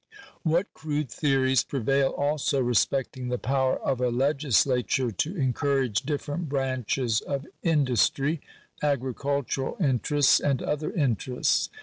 What crude theories prevail also respecting the power of a legislature to encourage different branches of industry —" agri cultural interests" and other "interests."